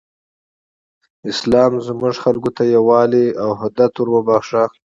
اسلام زموږ خلکو ته یووالی او حدت وروباښه.